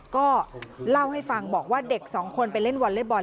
ก็เล่าให้ฟังบอกว่าเด็กสองคนไปเล่นวอเล็กบอล